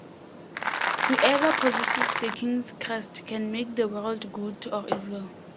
Whoever possesses the King's Crest can make the world good or evil.